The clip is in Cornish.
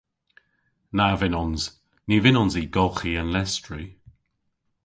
Na vynnons. Ny vynnons i golghi an lestri.